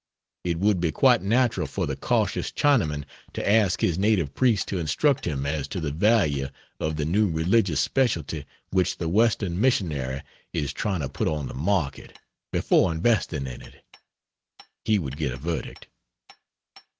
It would be quite natural for the cautious Chinaman to ask his native priest to instruct him as to the value of the new religious specialty which the Western missionary is trying to put on the market, before investing in it. (He would get a verdict.)